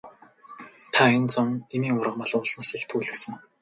Та энэ зун эмийн ургамал уулнаас их түүлгэсэн.